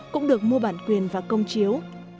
cũng được mua bản quyền và công chiếu